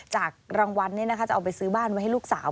จากรางวัลนี้นะคะจะเอาไปซื้อบ้านไว้ให้ลูกสาว